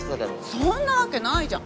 そんなわけないじゃん！